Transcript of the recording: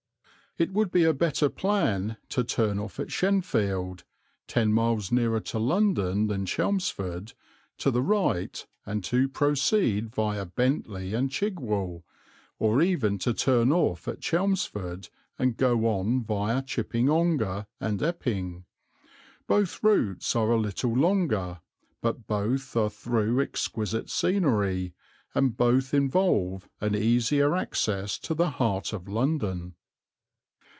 It would be a better plan to turn off at Shenfield, ten miles nearer to London than Chelmsford, to the right and to proceed viâ Bentley and Chigwell, or even to turn off at Chelmsford and go on viâ Chipping Ongar and Epping. Both routes are a little longer, but both are through exquisite scenery, and both involve an easier access to the heart of London.